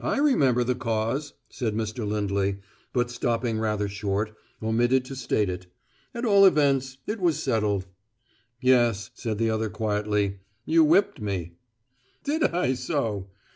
"I remember the cause," said Mr. Lindley, but, stopping rather short, omitted to state it. "At all events, it was settled." "Yes," said the other quietly. "You whipped me." "Did I so?"